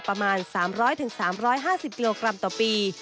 ประมาณ๓๐๐๓๕๐กิโลกรัมต่อปี